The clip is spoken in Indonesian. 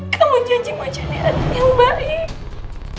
ketemu janji mau jadi anak yang baik